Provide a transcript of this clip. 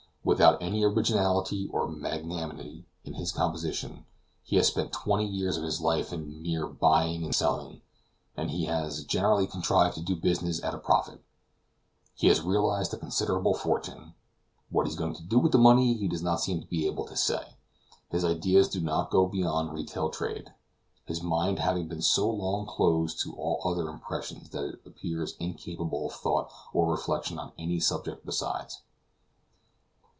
Without any originality or magnanimity in his composition, he has spent twenty years of his life in mere buying and selling, and as he has generally contrived to do business at a profit, he has realized a considerable fortune. What he is going to do with the money, he does not seem able to say: his ideas do not go beyond retail trade, his mind having been so long closed to all other impressions that it appears incapable of thought or reflection on any subject besides.